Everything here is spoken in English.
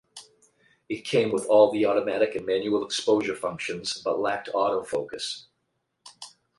It came with all the automatic and manual exposure functions but lacked autofocus.